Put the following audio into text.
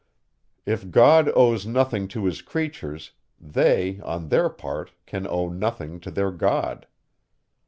If God owes nothing to his creatures, they, on their part, can owe nothing to their God.